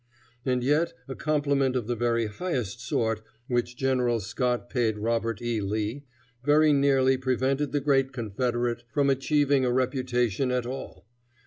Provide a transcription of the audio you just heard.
And yet a compliment of the very highest sort, which General Scott paid Robert E. Lee, very nearly prevented the great Confederate from achieving a reputation at all.